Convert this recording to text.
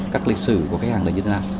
các lịch sử của khách hàng là như thế nào